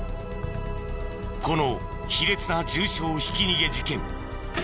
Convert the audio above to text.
この卑劣な重傷ひき逃げ事件。